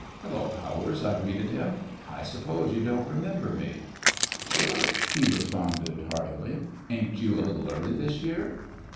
"Hello, Powers," I greeted him, "I suppose you don't remember me?" "Sure," he responded heartily. "Ain't you a little early this year?"